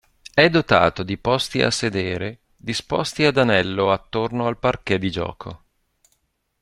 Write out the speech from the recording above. È dotato di posti a sedere, disposti ad anello attorno al parquet di gioco.